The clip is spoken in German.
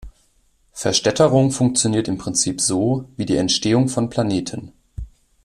Verstädterung funktioniert im Prinzip so wie die Entstehung von Planeten.